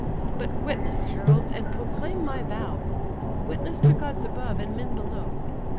But witness, heralds, and proclaim my vow, Witness to gods above, and men below!